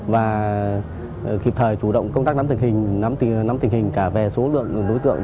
và kịp thời chủ động công tác nắm tình hình nắm tình hình cả về số lượng đối tượng